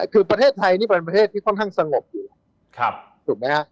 คือประเทศไทยนี่เป็นประเทศที่ค่อนข้างสงบอยู่ถูกไหมฮะ